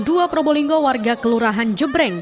dua probolinggo warga kelurahan jebreng